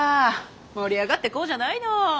盛り上がっていこうじゃないの。